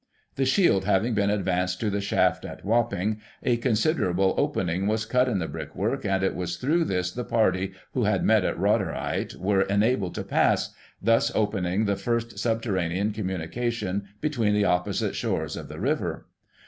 The shield having been advanced to the shaft at Wapping, a considerable opening was cut in the brickwork, and it was through this the party, who had met at Rotherhithe, were enabled to pass, thus opening the first subterranean communication between the opposite shores of the river.